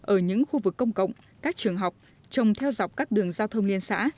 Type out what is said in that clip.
ở những khu vực công cộng các trường học trồng theo dọc các đường giao thông liên xã